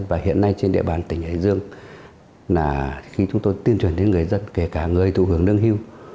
và hiện nay trên địa bàn tỉnh hải dương là khi chúng tôi tuyên truyền đến người dân kể cả người thụ hưởng lương hưu